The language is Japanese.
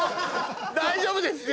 大丈夫ですよ！